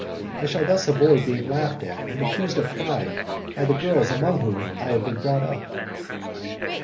I shall thus avoid being laughed at, and accused of pride, by the girls among whom I have been brought up."